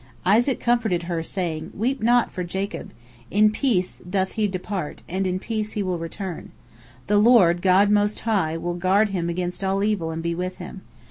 Isaac comforted her, saying: "Weep not for Jacob! In peace doth he depart, and in peace will he return. The Lord, God Most High, will guard him against all evil and be with him.